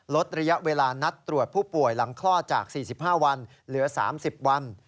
ลดระยะเวลานัดตรวจผู้ป่วยหลังคลอดจาก๔๕วันเหลือ๓๐วัน